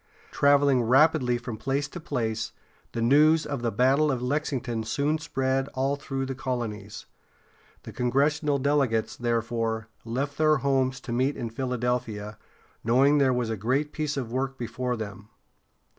Traveling rapidly from place to place, the news of the battle of Lexington soon spread all through the colonies. The congressional delegates, therefore, left their homes to meet in Philadelphia, knowing there was a great piece of work before them.